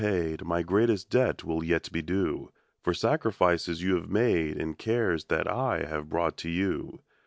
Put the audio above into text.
'* 7^0 My greatest debt will yet be due For sacrifices you bave made And cares that I have brought to you.